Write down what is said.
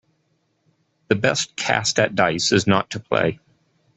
The best cast at dice is not to play.